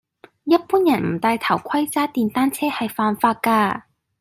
一般人唔戴頭盔揸電單車係犯法㗎